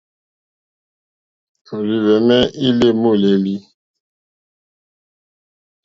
Òrzìhwɛ̀mɛ́ î lé môlélí.